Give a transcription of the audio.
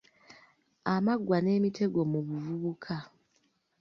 Amaggwa n’emitego mu buvubuka.